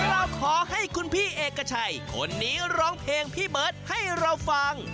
เราขอให้คุณพี่เอกชัยคนนี้ร้องเพลงพี่เบิร์ตให้เราฟัง